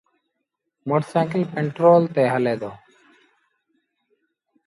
موٽر سآئيٚڪل پيٽرو تي هلي دو۔